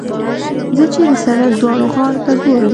زه چې د سړک دواړو غاړو ته ګورم.